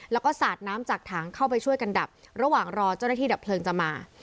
แล้วก็สาดน้ำจากถังเข้าไปช่วยกันดับระหว่างรอเจ้าหน้าที่ดับเพลิงจะมา